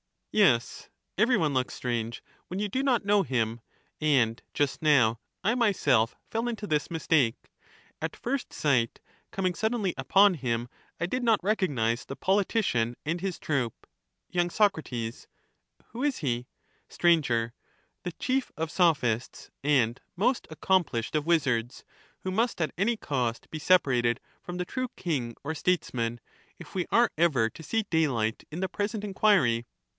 Yes ; every one looks strange when you do not know him ; and just now I myself fell into this mistake — at first sight, coming suddenly upon him, I did not recognize the politician and his troop. Y.Soc. Who is he? Str. The chief of Sophists and most accomplished of He must be wizards, who must at any cost be separated from the true ?«p*»^^ king or Statesman, if we are ever to see daylight in the king at present enquiry.